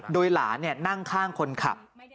โดยหลานนั่งข้างคนขับ